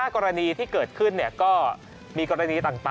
๕กรณีที่เกิดขึ้นก็มีกรณีต่างนะครับ